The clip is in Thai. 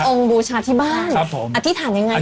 อ๋อคือองค์บูชาที่บ้านอธิษฐานยังไง